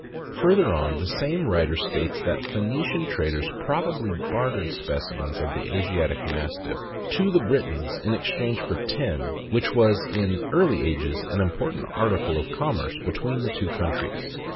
Further on, the same writer states that Pho3nician traders probably bartered specimens of the Asiatic Mastiff to the Britons in exchange for tin, which was in early ages an important article of commerce between the two countries.